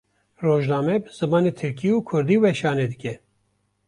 Rojname bi zimanê Tirkî û Kurdî weşanê dike.